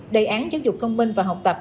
đề án giáo dục công minh và học tập